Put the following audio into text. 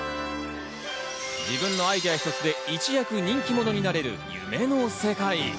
自分のアイデア一つで一躍人気者になれる夢の世界。